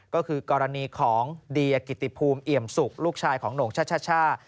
ก็คือกรณีของเดียกิติภูมิเอี่ยมสุกลูกชายของโหน่งช่า